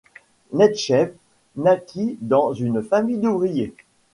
Netchaïev naquit dans une famille d'ouvriers.